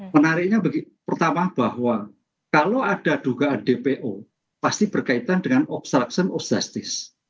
menariknya pertama bahwa kalau ada dugaan dpo pasti berkaitan dengan obstruction of justice